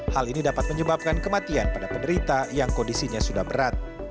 hal ini dapat menyebabkan kematian pada penderita yang kondisinya sudah berat